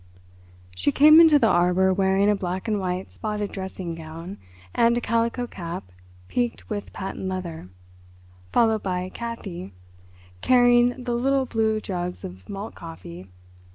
She came into the arbour wearing a black and white spotted dressing gown, and a calico cap peaked with patent leather, followed by Kathi, carrying the little blue jugs of malt coffee.